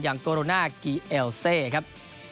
อย่างโกโรนากรีแอลเซครับ